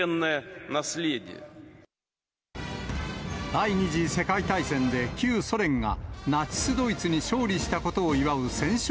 第２次世界大戦で旧ソ連がナチス・ドイツに勝利したことを祝う戦勝